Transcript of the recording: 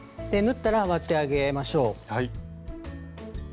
縫ったら割ってあげましょう。